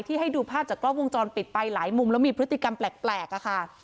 ให้ดูภาพจากกล้องวงจรปิดไปหลายมุมแล้วมีพฤติกรรมแปลกอะค่ะ